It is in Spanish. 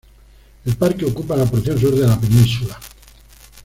El parque ocupa la porción sur de la península.